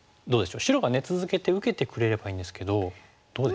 白が続けて受けてくれればいいんですけどどうですか？